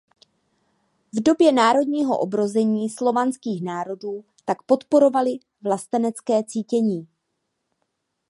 V době národního obrození slovanských národu tak podporovaly vlastenecké cítění.